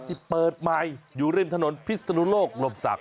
ที่เปิดใหม่อยู่ริมถนนพิศนุโลกลมศักด